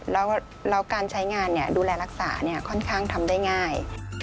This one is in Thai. แล้วการใช้งานดูแลรักษาค่อนข้างทำได้ง่าย